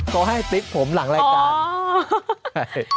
เขาให้ติ๊กผมหลังรายการ